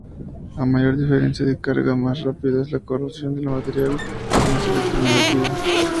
A mayor diferencia de carga más rápida es la corrosión del material más electronegativo.